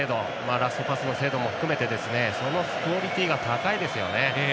ラストパスの精度も含めてそのクオリティーが高いですよね。